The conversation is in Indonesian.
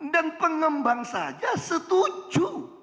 dan pengembang saja setuju